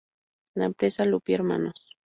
La empresa Lupi Hnos.